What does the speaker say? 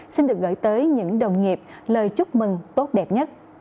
xin được gửi tới những đồng nghiệp lời chúc mừng tốt đẹp nhất